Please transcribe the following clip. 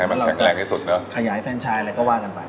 มันแข็งแรงที่สุดเนอะขยายแฟนชายอะไรก็ว่ากันไป